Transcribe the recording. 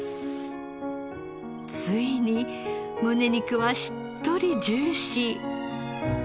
ついにむね肉はしっとりジューシー。